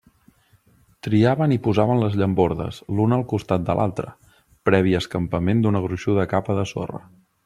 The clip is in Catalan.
Triaven i posaven les llambordes, l'una al costat de l'altra, previ escampament d'una gruixuda capa de sorra.